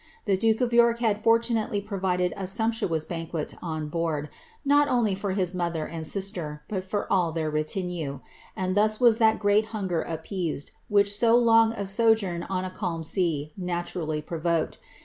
The duke of York had fortunately provided a sumptuous banquet on board, not only for his mother and sister, but for all their retinue ; and thus was that great hunger appeased, which so long a sojourn on a calm sea naturally pro voked.